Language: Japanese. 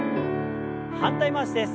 反対回しです。